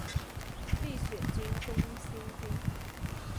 立雪郡东兴郡